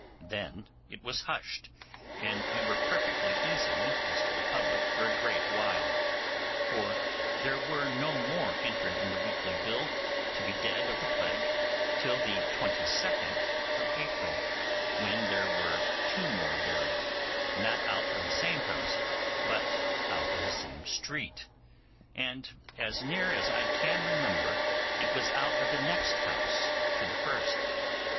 Then it was hushed, and we were perfectly easy as to the public for a great while; for there were no more entered in the weekly bill to be dead of the plague till the 22nd of April, when there was two more buried, not out of the same house, but out of the same street; and, as near as I can remember, it was out of the next house to the first.